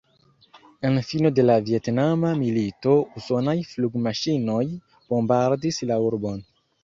En fino de la Vjetnama milito usonaj flugmaŝinoj bombardis la urbon.